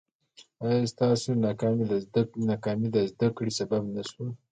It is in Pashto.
ایا ستاسو ناکامي د زده کړې سبب نه شوه؟